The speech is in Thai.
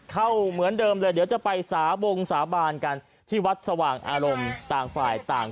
เข้าเหมือนเดิมเลยเดี๋ยวจะไปสาบงสาบานกันที่วัดสว่างอารมณ์ต่างฝ่ายต่าง